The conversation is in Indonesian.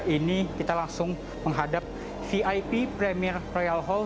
ini kita langsung menghadap vip premier royal hall